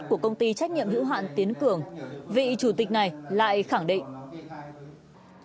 của công ty trách nhiệm hữu hạn tiến cường vị chủ tịch này lại khẳng định